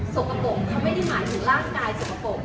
สกปรกเขาไม่ได้หมายถึงร่างกายสกปรก